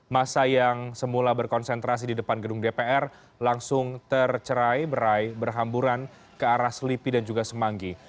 masa yang semula berkonsentrasi di depan gedung dpr langsung tercerai berai berhamburan ke arah selipi dan juga semanggi